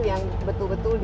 yang betul betul di